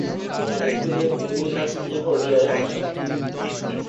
দলে ফিরে সাতটি ওডিআইয়ে অংশ নেন।